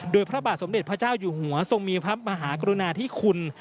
โดยพระบาทสมเด็จพระเจ้าอยู่หัวทรงมีพระมหากรุณาธิคุณ